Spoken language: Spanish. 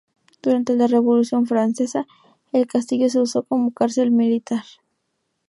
Durante la Revolución Francesa, el castillo se usó como cárcel militar.